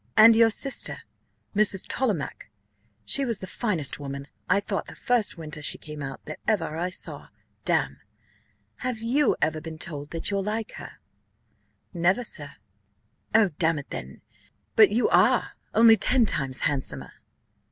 and your sister, Mrs. Tollemache? she was the finest woman, I thought, the first winter she came out, that ever I saw, damme. Have you ever been told that you're like her?" "Never, sir." "Oh, damn it then, but you are; only ten times handsomer."